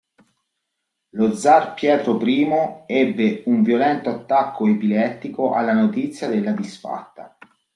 Lo zar Pietro I ebbe un violento attacco epilettico alla notizia della disfatta.